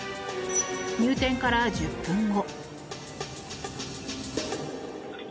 入店から１０分後。